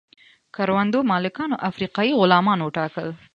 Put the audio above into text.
کروندو مالکانو افریقایي غلامان وټاکل.